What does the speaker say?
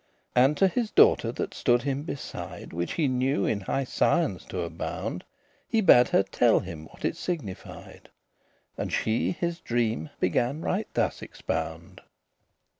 And to his daughter that stood him beside, Which he knew in high science to abound, He bade her tell him what it signified; And she his dream began right thus expound.